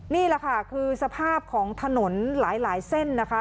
นี่แหละค่ะคือสภาพของถนนหลายเส้นนะคะ